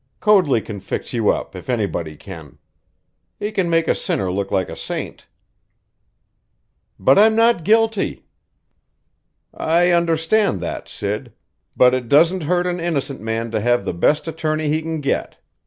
Coadley can fix you up, if anybody can. He can make a sinner look like a saint." "But I'm not guilty!" "I understand that, Sid, but it doesn't hurt an innocent man to have the best attorney he can get.